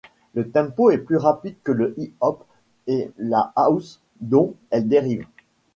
Le tempo est plus rapide que le hip-hop et la house dont elle dérive.